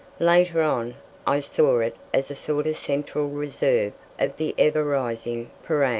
Later on, I saw it as a sort of central reserve of the ever rising Prahran.